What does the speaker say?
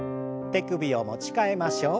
手首を持ち替えましょう。